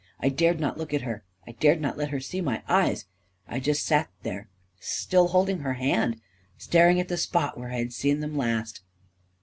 I dared not look at her; I dared not let her see my eyes; I just sat there, still holding her hand, staring at the spot where I had seen them last